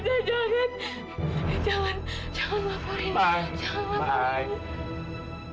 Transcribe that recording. jangan jangan ngelaporin